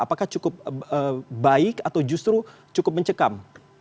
apakah cukup baik atau justru cukup mencekam